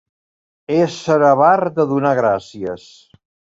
Ésser avar de donar gràcies.